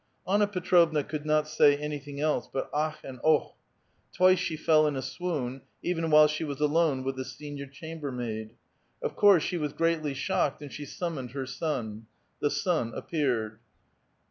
Anna Petrovna could not say anything else but akh and okh: twice she fell in a swoon, even while she was alone with the senior chambermaid. Of course, she was greatly shocked, and she summoned her son. The son appeared.